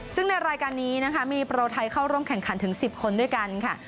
ซึ่งในรายการนี้นะคะมีโปรไทยเข้าร่วมแข่งขันถึง๑๐คนด้วยกันค่ะ